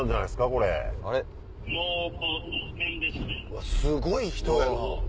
うわすごい人やな。